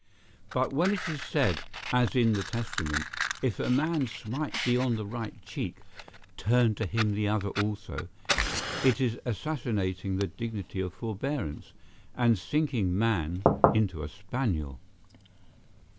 ] but when it is said, as in the Testament, "If a man smite thee on the right cheek, turn to him the other also," it is assassinating the dignity of forbearance, and sinking man into a spaniel.